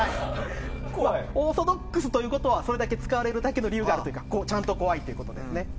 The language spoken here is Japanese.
オーソドックスということはそれだけ使われるだけの理由があるというかちゃんと怖いと。